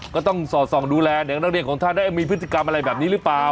ก็ต้องสอดส่องดูแลเด็กนักเรียนของท่านได้มีพฤติกรรมอะไรแบบนี้หรือเปล่า